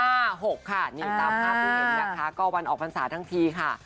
นี่ตามภาพที่เห็นนะคะก็วันออกพรรษาทั้งทีค่ะ